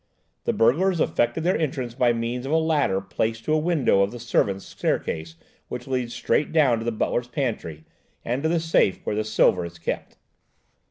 The burglars effected their entrance by means of a ladder placed to a window of the servants' stair case which leads straight down to the butler's pantry and to the safe where the silver is kept.